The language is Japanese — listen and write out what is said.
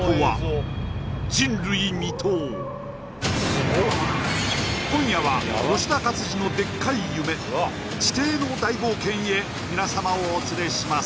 うお今夜は吉田勝次のでっかい夢地底の大冒険へ皆様をお連れします